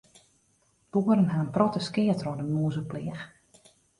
Boeren ha in protte skea troch de mûzepleach.